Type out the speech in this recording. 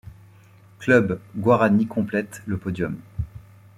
Club Guaraní complète le podium.